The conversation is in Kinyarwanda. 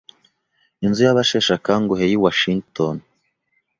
inzu yabasheshakanguhe y'i Washington